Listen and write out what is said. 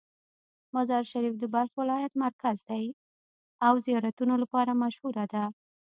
مزار شریف د بلخ ولایت مرکز دی او د زیارتونو لپاره مشهوره ده.